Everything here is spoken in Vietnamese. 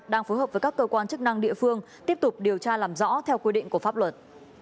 đang phối hợp với các cơ quan chức năng địa phương tiếp tục điều tra làm rõ theo quy định của pháp luật